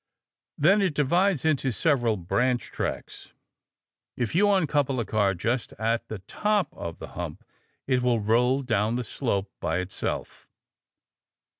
Then it divides into several branch tracks. If you uncouple a car just at the top of the hump, it will roll down the slope by itself.